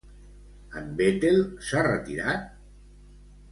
En Vettel s'ha retirat?